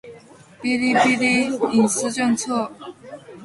《哔哩哔哩隐私政策》目录